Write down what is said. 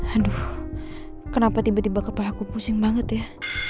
aduh kenapa tiba tiba kepala aku pusing banget ya